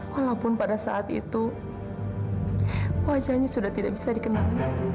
wajahnya sudah tidak bisa dikenal